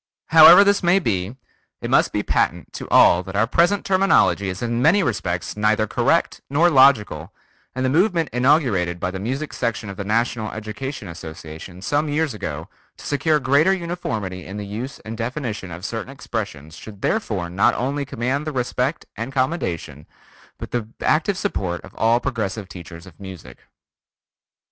However this may be, it must be patent to all that our present terminology is in many respects neither correct nor logical, and the movement inaugurated by the Music Section of the National Education Association some years ago to secure greater uniformity in the use and definition of certain expressions should therefore not only command the respect and commendation, but the active support of all progressive teachers of music. [Footnote 43: Floyd S. Muckey "Vocal Terminology," The Musician, May, 1912, p.